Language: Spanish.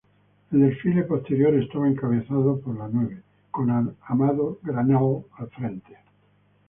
El desfile posterior estaba encabezado por La Nueve, con Amado Granell al frente.